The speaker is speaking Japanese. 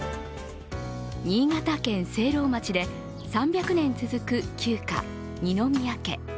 新潟県聖籠町で３００年続く旧家・二宮家。